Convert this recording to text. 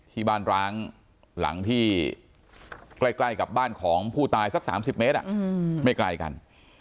ที่บ้านร้างหลังที่ใกล้กับบ้านของผู้ตายสัก๓๐เมตรไม่ไกลกัน